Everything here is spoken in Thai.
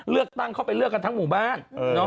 เลือกตั้งเข้าไปเลือกกันทั้งหมู่บ้าน